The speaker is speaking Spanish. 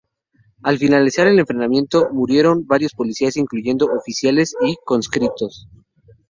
Al finalizar el enfrentamiento, murieron varios policías incluyendo oficiales y conscriptos.